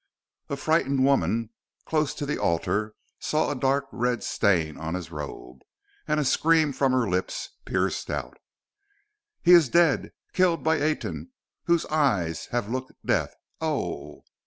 A frightened woman close to the altar saw a dark red stain on his robe, and a scream from her lips pierced out: "He is dead! Killed by Aten whose eyes have looked death! Oh!"